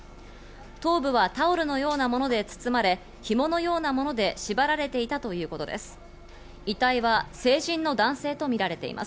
頭部はタオルのようなもので包まれ、ひものような物で縛られていたということです。